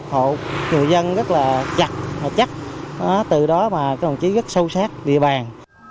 hộ người dân rất là chặt và chắc từ đó mà các đồng chí rất sâu sát địa bàn